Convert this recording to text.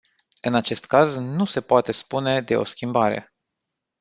În acest caz nu se poate spune de o schimbare.